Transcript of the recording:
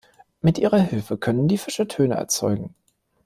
Mit ihrer Hilfe können die Fische Töne erzeugen.